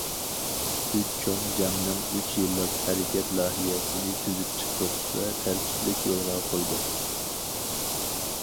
ئۈچ چوڭ جەڭنىڭ ئۈچ يىللىق ھەرىكەت لايىھەسىنى تۈزۈپ چىقتۇق ۋە تەرتىپلىك يولغا قويدۇق.